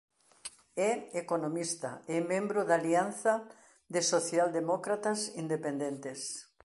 É economista e membro da Alianza de Socialdemócratas Independentes.